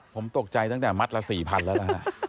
ผมตกใจตั้งแต่มัดละ๔๐๐๐บาทแล้ว